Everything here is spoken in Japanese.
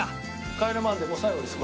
『帰れマンデー』もう最後です